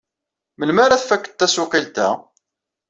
Melmi ara tfakeḍ tasuqilt-a?